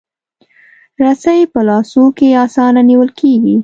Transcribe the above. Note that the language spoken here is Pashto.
رسۍ په لاسو کې اسانه نیول کېږي.